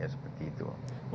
ya seperti itu